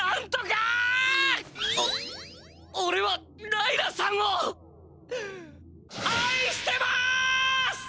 おおれはライラさんをあいしてます！